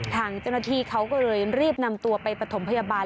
ทางเจ้าหน้าที่เขาก็เลยรีบนำตัวไปปฐมพยาบาล